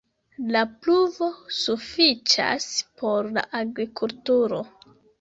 La pluvo sufiĉas por la agrikulturo.